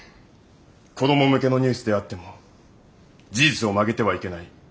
子ども向けのニュースであっても事実を曲げてはいけない。